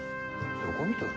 どこ見とる。